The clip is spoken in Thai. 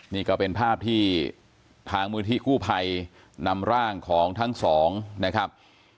นี่ก็เป็นภาพที่ทางมูลที่กู้ภัยนำร่างของทั้งสองนะครับ